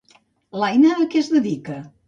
L'Aina a què es dedica?